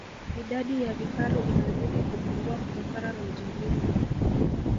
idadi ya vifaru inazidi kupungua kutokana na ujangili